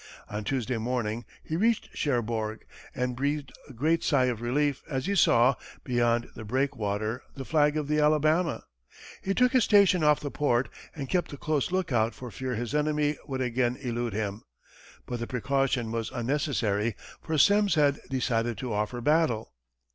On Tuesday morning, he reached Cherbourg, and breathed a great sigh of relief as he saw, beyond the breakwater, the flag of the Alabama. He took his station off the port, and kept a close lookout for fear his enemy would again elude him. But the precaution was unnecessary, for Semmes had decided to offer battle.